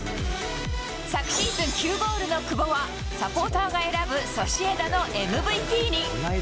昨シーズン９ゴールの久保は、サポーターが選ぶソシエダのＭＶＰに。